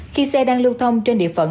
khi xe đang lưu thông trên địa phận